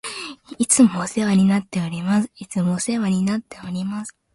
いつもお世話になっております。いつもお世話になっております。